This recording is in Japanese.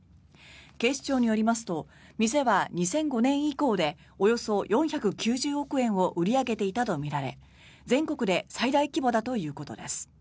警視庁によりますと店は２００５年以降でおよそ４９０億円を売り上げていたとみられ全国で最大規模だということです。